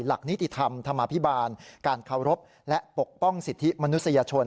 หลักนิติธรรมธรรมาภิบาลการเคารพและปกป้องสิทธิมนุษยชน